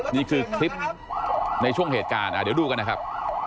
นี่คือคลิปในช่วงเหตุการณ์เดี๋ยวดูกันนะครับ